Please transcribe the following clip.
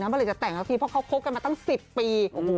เพราะเลยจะแต่งกับพี่เพราะเขาคบกันมาตั้ง๑๐ปี